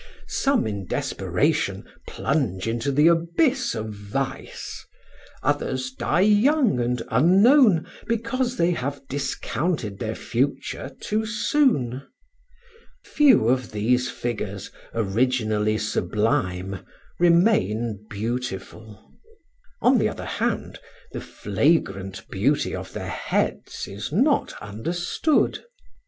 Some, in desperation, plunge into the abyss of vice, others die young and unknown because they have discounted their future too soon. Few of these figures, originally sublime, remain beautiful. On the other hand, the flagrant beauty of their heads is not understood.